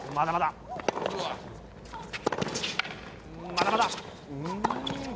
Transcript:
まだまだ。